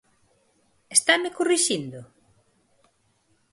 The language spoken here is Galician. ¿Estame corrixindo?